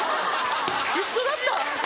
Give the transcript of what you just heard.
一緒だった。